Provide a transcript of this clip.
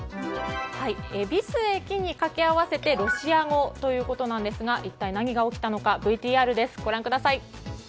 恵比寿駅に掛け合わせてロシア語ということなんですが一体何が起きたのかＶＴＲご覧ください。